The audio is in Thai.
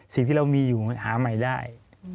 สิ่งที่เรามีอยู่หาใหม่ได้